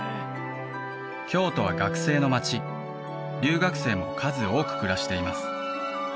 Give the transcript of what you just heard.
京都は学生の街留学生も数多く暮らしています